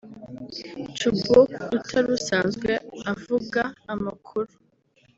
Chubbuck utari usanzwe avuga amakuru